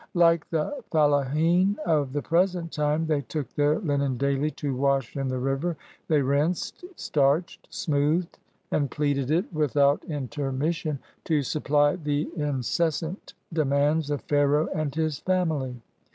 Like the fellahin of the present time, they took their linen daily to wash in the river; they rinsed, starched, smoothed, and pleated it without intermission to supply the inces sant demands of Pharaoh and his family.